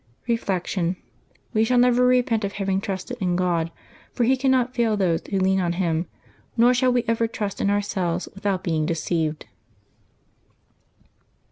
Reflection. — We shall never repent of having trusted in God, for He cannot fail those who lean on Him; nor shall we ever trust in ourselves without being deceived.